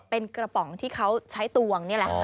เป็นกระป๋องที่เขาใช้ตวงนี่แหละค่ะ